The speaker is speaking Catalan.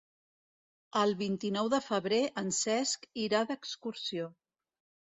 El vint-i-nou de febrer en Cesc irà d'excursió.